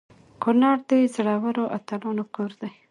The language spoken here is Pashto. کنړ د زړورو اتلانو کور دی.